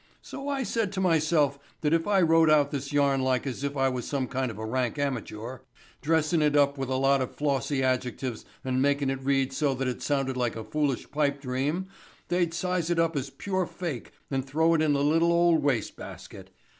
So I said to myself that if I wrote out this yarn like as if I was some kind of a rank amateur, dressin' it up with a lot of flossy adjectives and makin' it read so that it sounded like a foolish pipe dream they'd size it up as pure fake and throw it in the little old waste basket.